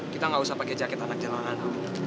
kita gak usah pake jaket anak jalanan